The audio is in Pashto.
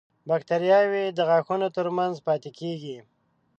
باکتریاوې د غاښونو تر منځ پاتې کېږي.